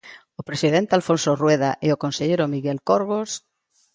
O presidente Alfonso Rueda e o conselleiro Miguel Corgos.